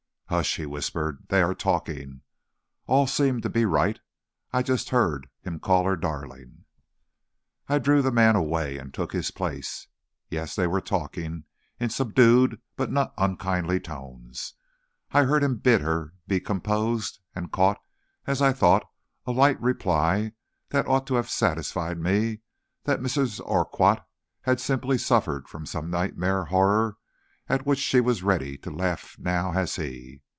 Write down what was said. "Hush!" he whispered; "they are talking. All seems to be right. I just heard him call her darling." I drew the man away and took his place. Yes; they were talking in subdued but not unkindly tones. I heard him bid her be composed, and caught, as I thought, a light reply that ought to have satisfied me that Mrs. Urquhart had simply suffered from some nightmare horror at which she was as ready to laugh now as he.